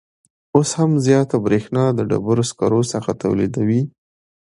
اوس هم زیاته بریښنا د ډبروسکرو څخه تولیدوي